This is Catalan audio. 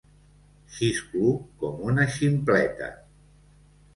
Xisclo com una ximpleta.